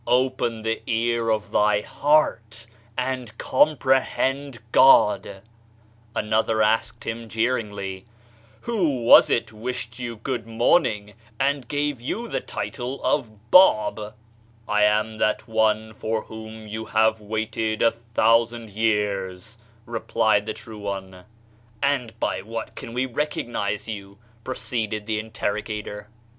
"Open the ear of thy heart, and comprehend God !" Another asked him jeeringly: "Who was it wished you good morning, and gave you the title of Bab?" "I am that one for whom you have waited a thousand years," replied the True One. "And by what can we recognize you," pro ceeded the interrogator.